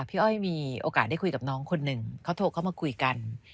อ้อยมีโอกาสได้คุยกับน้องคนหนึ่งเขาโทรเข้ามาคุยกัน